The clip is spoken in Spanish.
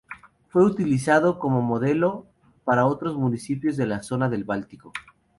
Fue utilizado como modelo para otros municipios de la zona del Báltico.